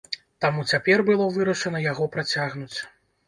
Таму цяпер было вырашана яго працягнуць.